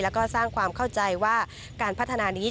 แล้วก็สร้างความเข้าใจว่าการพัฒนานี้